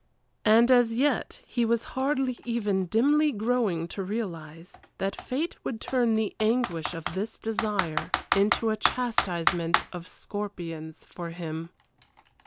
And as yet he was hardly even dimly growing to realize that fate would turn the anguish of this desire into a chastisement of scorpions for him.